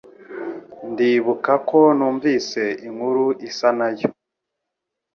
Ndibuka ko numvise inkuru isa nayo.